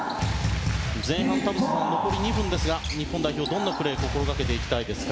前半、田臥さん残り２分ですが日本代表、どんなプレーを心がけたいですか？